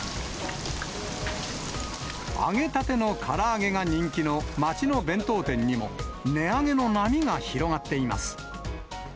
揚げたてのから揚げが人気の町の弁当店にも、値上げの波が広がっています。